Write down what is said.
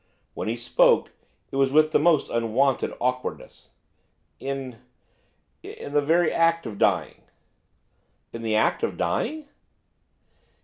When he spoke, it was with the most unwonted awkwardness. 'In in the very act of dying.' 'In the very act of dying?